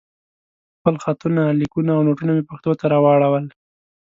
خپل خطونه، ليکونه او نوټونه مې پښتو ته راواړول.